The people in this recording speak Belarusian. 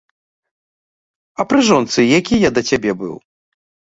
А пры жонцы які я да цябе быў?